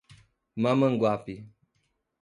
Mamanguape